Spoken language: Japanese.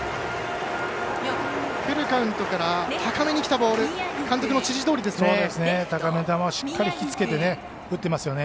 フルカウントから高めにきたボール監督の指示どおりですね。